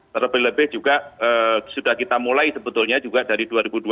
terlebih lebih juga sudah kita mulai sebetulnya juga dari dua ribu dua puluh